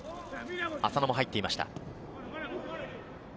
浅野も入っていました。